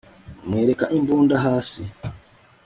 amwereka imbunda hasi